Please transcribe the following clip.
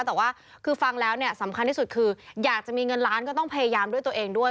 แต่ว่าคือฟังแล้วเนี่ยสำคัญที่สุดคืออยากจะมีเงินล้านก็ต้องพยายามด้วยตัวเองด้วย